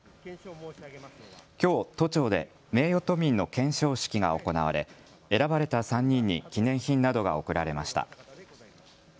きょう、都庁で名誉都民の顕彰式が行われ選ばれた３人に記念品などが贈られました。